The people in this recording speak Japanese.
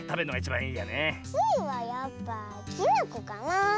スイはやっぱきなこかなあ。